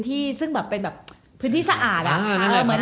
ไม่มีทางไม่ปิดหรอกแต่พอปิดเสร็จก็เอาเช็นน้ำตากูหน่อยละกัน